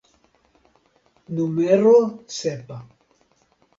Numero sepa.